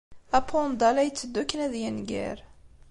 Apanda la yetteddu akken ad yenger.